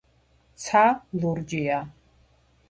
ცა ლურჯია